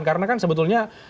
karena kan sebetulnya